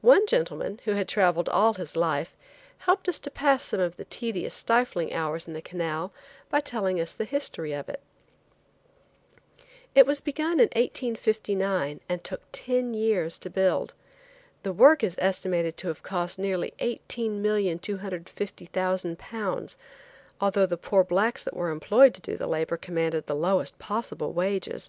One gentleman, who had traveled all his life, helped us to pass some of the tedious, stifling hours in the canal by telling us the history of it. It was begun in 1859 and took ten years to build. The work is estimated to have cost nearly £18,250,000, although the poor blacks that were employed to do the labor commanded the lowest possible wages.